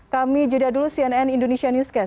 kami jeda dulu cnn indonesia newscast